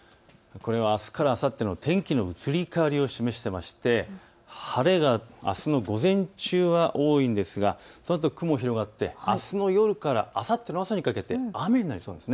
これはあすからあさっての天気の移り変わりを示していまして晴れがあすの午前中は多いんですがそのあと、雲が広がってあすの夜からあさっての朝にかけて雨になりそうなんです。